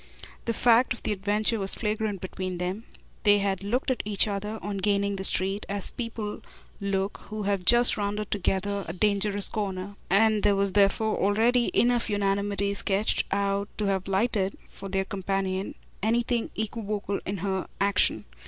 The fact of the adventure was flagrant between them; they had looked at each other, on gaining the street, as people look who have just rounded together a dangerous corner, and there was therefore already enough unanimity sketched out to have lighted, for her companion, anything equivocal in her action.